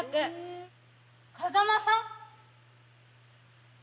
風間さん？